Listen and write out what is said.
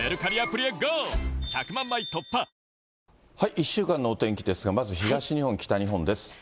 １週間のお天気ですが、まず東日本、北日本です。